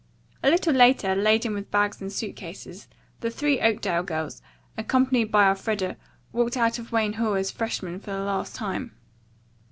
A little later, laden with bags and suit cases, the three Oakdale girls, accompanied by Elfreda, walked out of Wayne Hall as freshmen for the last time.